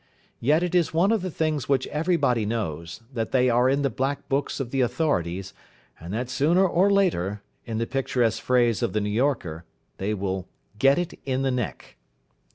Yet it is one of the things which everybody knows, that they are in the black books of the authorities, and that sooner or later, in the picturesque phrase of the New Yorker, they will "get it in the neck".